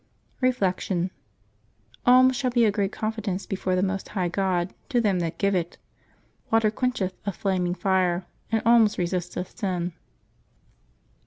Reflection. — '^Alms shall be a great confidence before the Most High God to them that give it. Water quencheth a flaming fire, and alms resisteth sin."